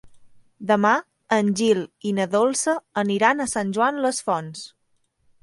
Demà en Gil i na Dolça aniran a Sant Joan les Fonts.